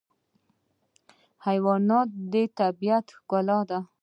حیوانات د طبیعت ښکلا ده.